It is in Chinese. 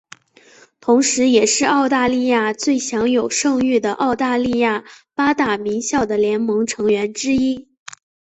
同时也是澳大利亚最享有盛誉的澳大利亚八大名校的联盟成员之一。